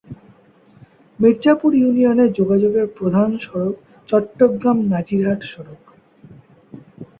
মির্জাপুর ইউনিয়নে যোগাযোগের প্রধান সড়ক চট্টগ্রাম-নাজিরহাট সড়ক।